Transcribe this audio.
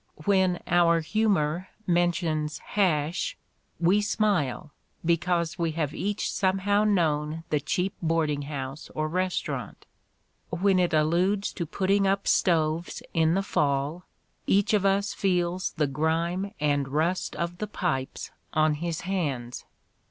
When [our humor] mentions hash we smile because we have each somehow known the cheap boardr ing house or restaurant; when it alludes to putting up stoves in the fall, each of us feels the grime and rust of the pipes on his hands.